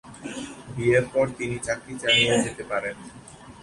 বিয়ের পরে তিনি চাকরি চালিয়ে যেতে পারেননি।